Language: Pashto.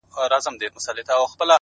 پوهه د انتخابونو شمېر زیاتوي!